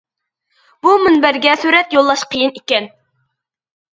بۇ مۇنبەرگە سۈرەت يوللاش قىيىن ئىكەن.